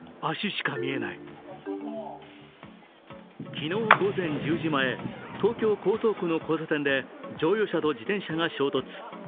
昨日午前１０時前、東京・江東区の交差点で乗用車と自転車が衝突。